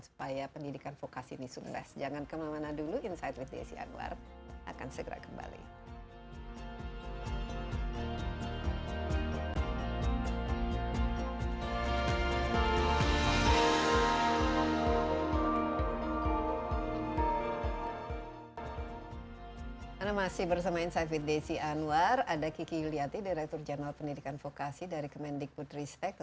supaya pendidikan vokasi ini sukses